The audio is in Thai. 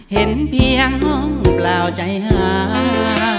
เห็นเพียงห้องเปล่าใจหา